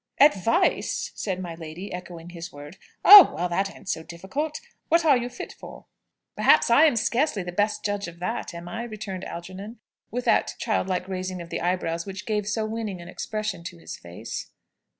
"Advice!" said my lady, echoing his word. "Oh, well, that ain't so difficult. What are you fit for?" "Perhaps I am scarcely the best judge of that, am I?" returned Algernon, with that childlike raising of the eyebrows which gave so winning an expression to his face.